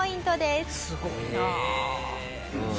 すごいなあ。